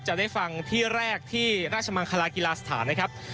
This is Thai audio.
จะได้ฟังที่แรกที่ราชมังคลากีฬาสถานนะครับ